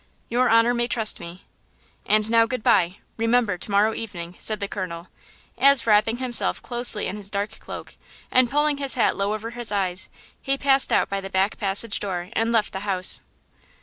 "Your honor may trust me." "And now good by–remember, to morrow evening," said the colonel, as, wrapping himself closely in his dark cloak, and pulling his hat low over his eyes, he passed out by the back passage door and left the house.